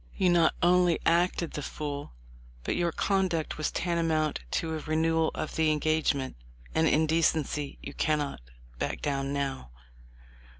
"You not only acted the fool, but your conduct was tantamount to a renewal of the engagement, and in decency you cannot back down now."